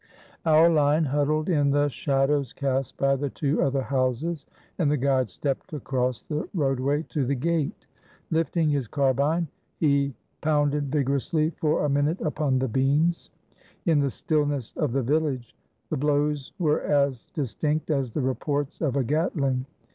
Our line huddled in the shadows cast by the two other houses, and the guide stepped across the roadway to the gate. Lifting his carbine, he pounded vigorously for a minute upon the beams. In the stillness of the village, the blows were as distinct as the reports of a Catling.